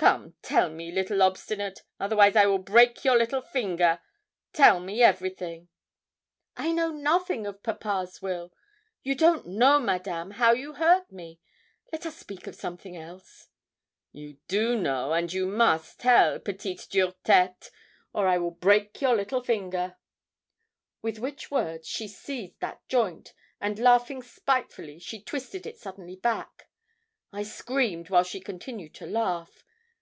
Come tell me, little obstinate, otherwise I will break your little finger. Tell me everything.' 'I know nothing of papa's will. You don't know, Madame, how you hurt me. Let us speak of something else.' 'You do know, and you must tell, petite dure tête, or I will break a your little finger.' With which words she seized that joint, and laughing spitefully, she twisted it suddenly back. I screamed while she continued to laugh.